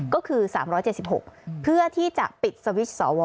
ก็คือ๓๗๖เพื่อที่จะปิดสวิตช์สว